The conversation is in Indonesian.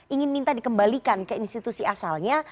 ingin minta dikembalikan ke institusi asalnya